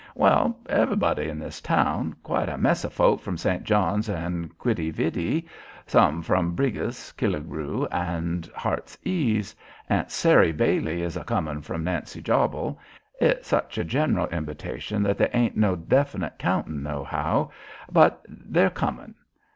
"Well, everybody in this town, quite a mess o' folk from St. John's and Quidi Vidi. Some from Brigus, Kelligrews and Heart's Ease. Aunt Saray Bailey is a' comin' from Nancy Jobble. It's such a general invitation that they ain't no definite countin' no how, but their comin'.